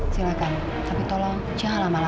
sejak itu j seating hyperl uphold